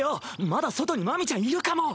まだ外にマミちゃんいるかも。